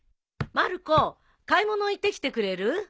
まる子買い物行ってきてくれる？